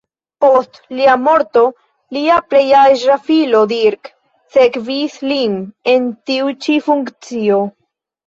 Post lia morto lia plej aĝa filo, Dirk, sekvis lin en tiu ĉi funkcio.